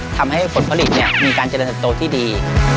ทำให้ผลผลิตเนี่ยมีการเจริญสัตว์ที่ดี